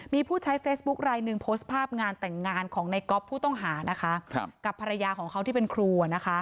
มีผู้ใช้เฟซบุ๊คลายหนึ่งโพสต์ภาพงานแต่งงานของในก๊อฟผู้ต้องหานะคะกับภรรยาของเขาที่เป็นครู